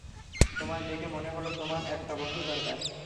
তোমায় দেখে মনে হলো, তোমার একটা বন্ধু দরকার।